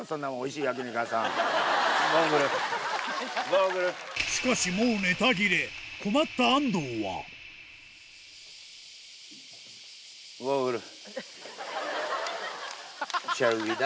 しかしもうネタ切れ困った安藤はゴーグル。